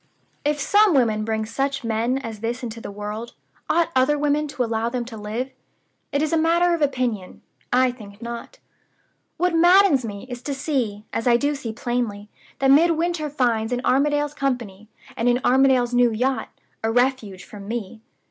"If some women bring such men as this into the world, ought other women to allow them to live? It is a matter of opinion. I think not. "What maddens me is to see, as I do see plainly, that Midwinter finds in Armadale's company, and in Armadale's new yacht, a refuge from me.